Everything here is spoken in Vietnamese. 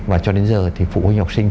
và cho đến giờ thì phụ huynh học sinh